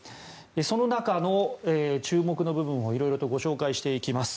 その中の注目の部分を色々と紹介していきます。